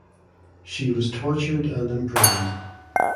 She was tortured and imprisoned.